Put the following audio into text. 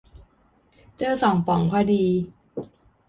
เจอสองป๋องพอดี